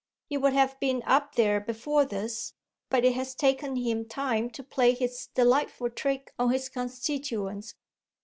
He would have been up there before this, but it has taken him time to play his delightful trick on his constituents.